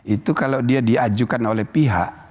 itu kalau dia diajukan oleh pihak